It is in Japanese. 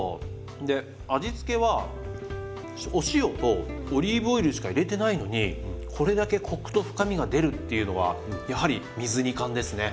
で味付けはお塩とオリーブオイルしか入れてないのにこれだけコクと深みが出るっていうのはやはり水煮缶ですね。